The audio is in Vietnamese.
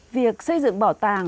việc xây dựng bảo tàng